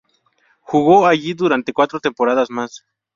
Jugó allí durante cuatro temporadas más.